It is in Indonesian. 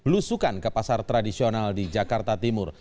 lusukan ke pasar tradisional di jakarta timur